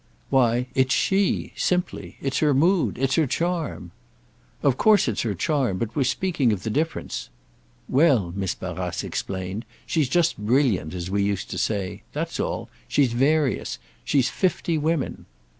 "Why, it's she—simply. It's her mood. It's her charm." "Of course it's her charm, but we're speaking of the difference." "Well," Miss Barrace explained, "she's just brilliant, as we used to say. That's all. She's various. She's fifty women."